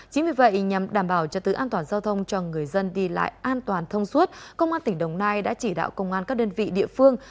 chính vì vậy nhằm đảm bảo cho tứ an toàn giao thông cho người dân đi lại an toàn thông suốt công an tỉnh đồng nai đã chỉ đạo công an các đơn vị địa phương